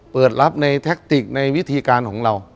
เปิดรับในแท็กติกในวิธีการของเรา